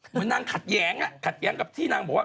เหมือนนางขัดแย้งขัดแย้งกับที่นางบอกว่า